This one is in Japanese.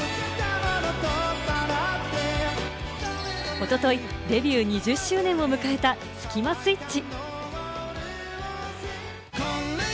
おとといデビュー２０周年を迎えたスキマスイッチ。